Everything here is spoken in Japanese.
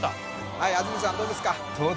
はい安住さんどうですか？